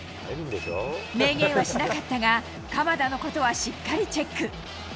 明言はしなかったが、鎌田のことはしっかりチェック。